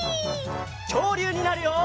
きょうりゅうになるよ！